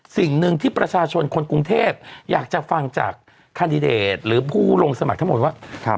สิ่งหนึ่งที่ประชาชนคนกรุงเทพอยากจะฟังจากแคนดิเดตหรือผู้ลงสมัครทั้งหมดว่า